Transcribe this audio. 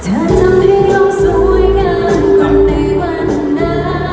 เธอทำให้เราสวยงามกว่าในวันนั้น